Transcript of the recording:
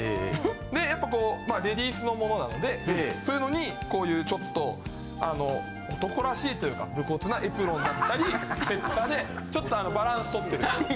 やっぱこうレディースのモノなのでそういうのにこういうちょっとあの男らしいというか無骨なエプロンだったり雪駄でちょっとあのバランスとってるんです。